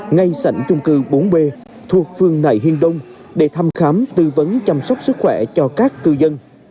ngay sảnh chung cư bốn b thuộc phường nại hiên đông để thăm khám tư vấn chăm sóc sức khỏe cho các cư dân